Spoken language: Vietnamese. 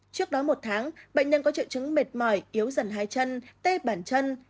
trước đó một tháng bệnh nhân có triệu chứng mệt mỏi yếu dần hai chân tê bản chân